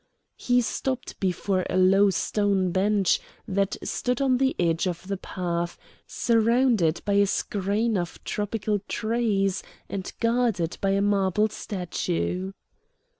He stopped before a low stone bench that stood on the edge of the path, surrounded by a screen of tropical trees, and guarded by a marble statue.